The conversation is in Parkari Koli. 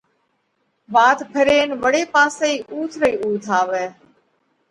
وات ڦرينَ وۯي پاسئي اُوٿ رئِي اُوٿ آوئه۔